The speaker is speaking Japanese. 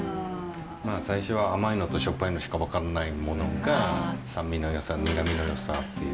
最初は甘いのとしょっぱいのしか分かんないものが酸味のよさ苦味のよさっていう。